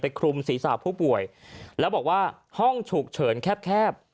คลุมศีรษะผู้ป่วยแล้วบอกว่าห้องฉุกเฉินแคบแคบ